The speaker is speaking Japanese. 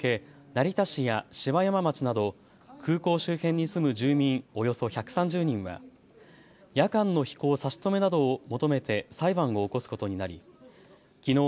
成田市や芝山町など空港周辺に住む住民およそ１３０人は夜間の飛行差し止めなどを求めて裁判を起こすことになりきのう